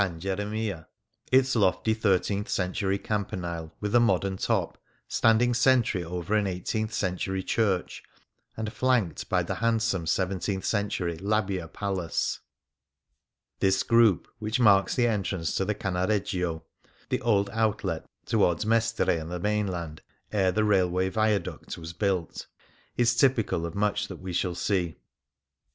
Geremia, its lofty thirteenth century campanile, with a modem top, standing sentry over an eighteenth century church, and flanked by the handsome seventeenth century Labbia Palace. This group, which marks the entrance to the Canareggio — the old outlet towards Mestre and the mainland ere the railway viaduct was birilt — is typical of much that we shall see.